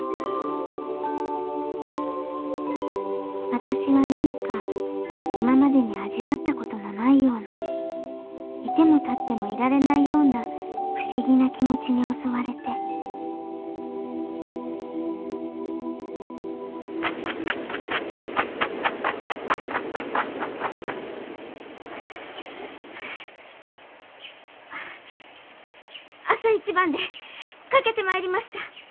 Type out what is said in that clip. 私は何か今までに味わった事のないような居ても立ってもいられないような不思議な気持ちに襲われて朝一番で駆けてまいりました。